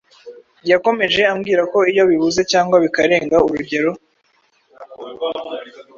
Yakomeje ambwira ko iyo bibuze cyangwa bikarenga urugero,